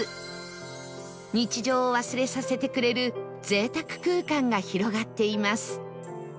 日常を忘れさせてくれる贅沢空間が広がっています